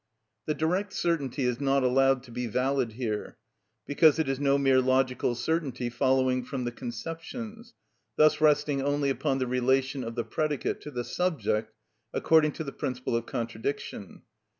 The direct certainty is not allowed to be valid here, because it is no mere logical certainty following from the conceptions, thus resting only upon the relation of the predicate to the subject, according to the principle of contradiction.